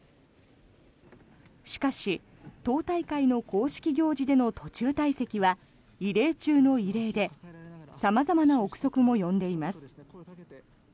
しかし、党大会の公式行事での途中退席は異例中の異例で様々な臆測も呼んでいます。